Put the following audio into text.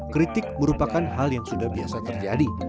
kritik merupakan hal yang sudah biasa terjadi